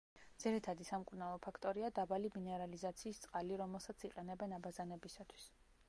ძირითადი სამკურნალო ფაქტორია დაბალი მინერალიზაციის წყალი, რომელსაც იყენებენ აბაზანებისათვის.